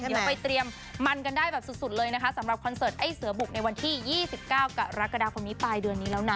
เดี๋ยวไปเตรียมมันกันได้แบบสุดเลยนะคะสำหรับคอนเสิร์ตไอ้เสือบุกในวันที่๒๙กรกฎาคมนี้ปลายเดือนนี้แล้วนะ